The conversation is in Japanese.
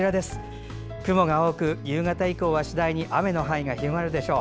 雲が多く夕方以降は次第に雨の範囲が広がるでしょう。